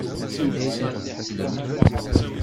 Anda ay tent-tettlemt?